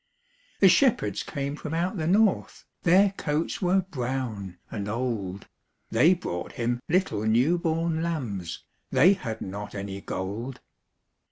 The shepherds came from out the north, Their coats were brown and old, They brought Him little new born lambs They had not any gold.